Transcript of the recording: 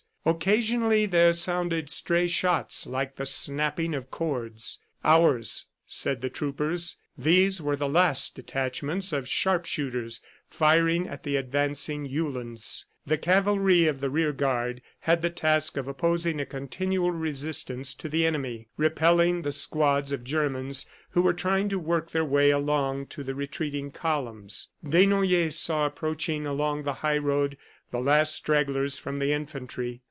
Occasionally there sounded stray shots like the snapping of cords. "Ours," said the troopers. These were the last detachments of sharpshooters firing at the advancing Uhlans. The cavalry of the rear guard had the task of opposing a continual resistance to the enemy, repelling the squads of Germans who were trying to work their way along to the retreating columns. Desnoyers saw approaching along the highroad the last stragglers from the infantry.